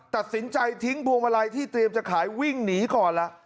ตัดสินใจทิ้งพวงมาลัยที่เตรียมจะขายวิ่งหนีก่อนล่ะ